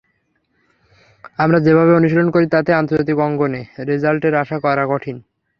আমরা যেভাবে অনুশীলন করি, তাতে আন্তর্জাতিক অঙ্গনে রেজাল্টের আশা করা কঠিন।